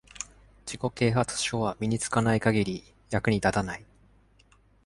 自己啓発書は身に着かない限り役に立たない。